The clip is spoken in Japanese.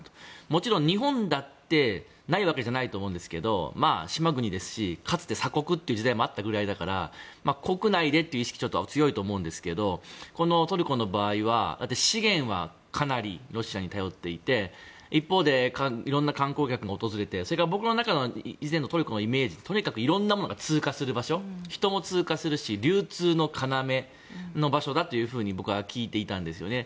もちろん、日本だってないわけじゃないと思うんですけど島国ですし、かつて鎖国という時代もあったぐらいだから国内でという意識は強いと思うんですけどトルコの場合は資源はかなりロシアに頼っていて一方で、いろんな観光客も訪れてそれから僕の中の以前のトルコのイメージはとにかくいろいろなものが通過する場所人も通過するし流通の要の場所だと僕は聞いていたんですよね。